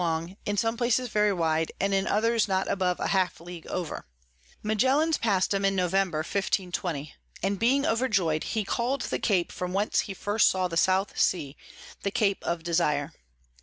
long, in some places very wide, and in others not above half a League over. Magaillans pass'd 'em in Novemb. 1520. and being overjoy'd, he call'd the Cape from whence he first saw the South Sea the Cape of Desire.